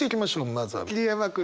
まずは桐山君。